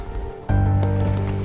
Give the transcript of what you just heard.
setia pak bos